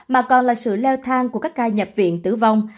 mà còn là sự leo thang của các ca nhập viện tử vong